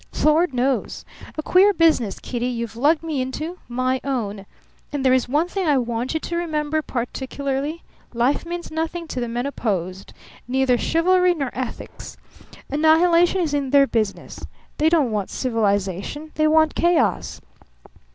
"Lord knows! A queer business, Kitty, you've lugged me into my own! And there is one thing I want you to remember particularly: Life means nothing to the men opposed, neither chivalry nor ethics. Annihilation is their business. They don't want civilization; they want chaos.